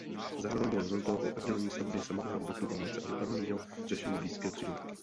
Zároveň bylo rozhodnuto o oddělení stavby samotného objektu paláce a dopravního řešení blízké křižovatky.